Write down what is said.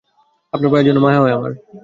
আপনার পায়ের জন্য মায়া হয় আমার।